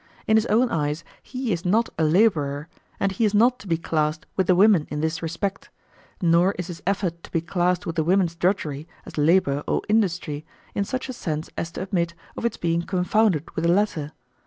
In his own eyes he is not a labourer, and he is not to be classed with the women in this respect; nor is his effort to be classed with the women's drudgery, as labour or industry, in such a sense as to admit of its being confounded with the latter.